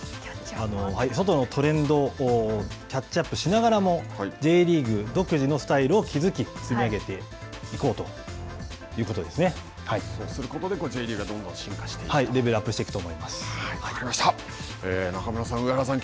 外のトレンドをキャッチアップしながらもＪリーグ独自のスタイルを築き積み上げていこうそうすることでＪリーグがはい、レベルアップ中村さん、上原さん